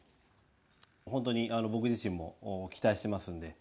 本当に僕自身も期待してますんで。